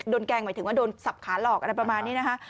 แกล้งหมายถึงว่าโดนสับขาหลอกอะไรประมาณนี้นะคะ